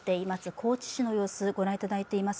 高知市の様子をご覧いただいています。